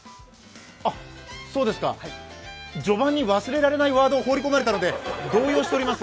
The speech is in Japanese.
あ、そうですか、序盤に忘れられないワードを放り込まれたので動揺しております。